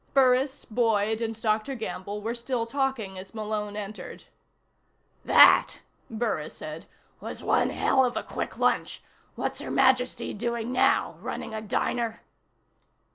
Burris, Boyd and Dr. Gamble were still talking as Malone entered. "That," Burris said, "was one hell of a quick lunch. What's Her Majesty doing now running a diner?"